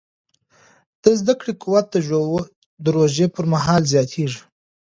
د زده کړې قوت د روژې پر مهال زیاتېږي.